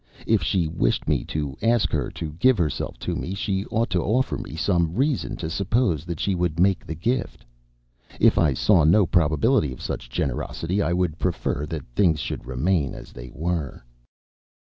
If she wished me to ask her to give herself to me, she ought to offer me some reason to suppose that she would make the gift. If I saw no probability of such generosity, I would prefer that things should remain as they were.